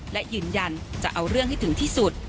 และยืนยันจะเอาเรื่องให้ถึงที่สุด